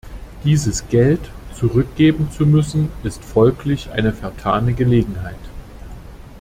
Dieses Geld zurückgeben zu müssen ist folglich eine vertane Gelegenheit.